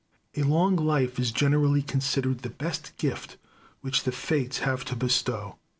A long life is generally considered the best gift which the Fates have to bestow.